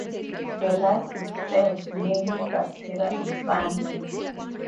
The life is sparse, mainly bacteria and fungi.